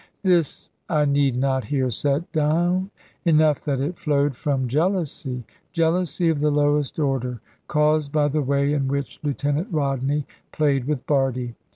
This I need not here set down. Enough that it flowed from jealousy, jealousy of the lowest order, caused by the way in which Lieutenant Rodney played with Bardie.